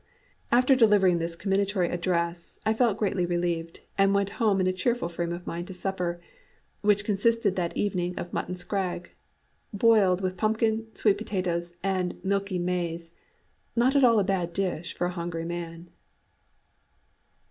After delivering this comminatory address I felt greatly relieved, and went home in a cheerful frame of mind to supper, which consisted that evening of mutton scrag, boiled with pumpkin, sweet potatoes, and milky maize not at all a bad dish for a hungry man.